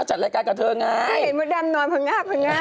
ขนิดแหละแรงเยอะนะ